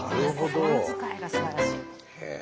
心遣いがすばらしい。